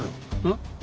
ん？